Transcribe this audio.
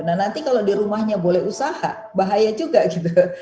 nah nanti kalau di rumahnya boleh usaha bahaya juga gitu